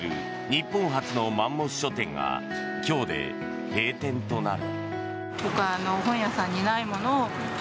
日本初のマンモス書店が今日で閉店となる。